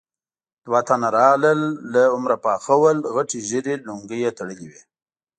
دوه تنه راغلل، له عمره پاخه ول، غټې ژېړې لونګۍ يې تړلې وې.